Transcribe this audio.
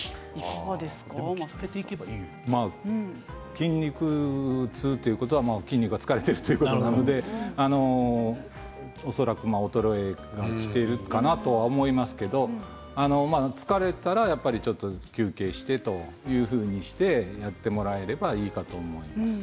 筋肉痛ということは筋肉が疲れているということなので恐らく衰えがきているかなとは思いますけど疲れたら、やっぱりちょっと休憩してというふうにしてやってもらえればいいかと思います。